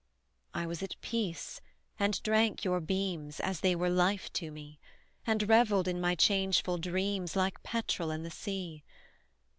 I was at peace, and drank your beams As they were life to me; And revelled in my changeful dreams, Like petrel on the sea.